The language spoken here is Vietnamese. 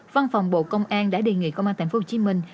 văn phòng bộ công an đã đề nghị công an thành phố hồ chí minh